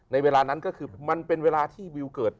เวลานั้นก็คือมันเป็นเวลาที่วิวเกิด